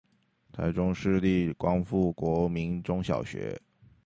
臺中市立光復國民中小學